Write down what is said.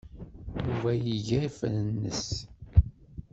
Yuba iga afran-nnes.